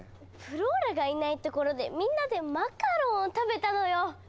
フローラがいないところでみんなでマカロンを食べたのよ！